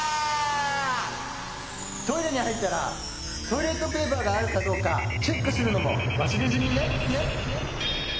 トイレにはいったらトイレットペーパーがあるかどうかチェックするのもわすれずにね。